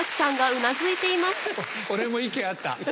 俺も１軒あった。